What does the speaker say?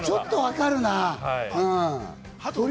ちょっとわかるな。